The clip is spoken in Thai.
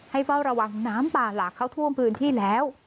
เฝ้าระวังน้ำป่าหลากเข้าท่วมพื้นที่แล้ว